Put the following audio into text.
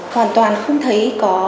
hoàn toàn không thấy